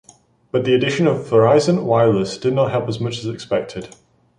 But the addition of Verizon Wireless did not help as much as expected.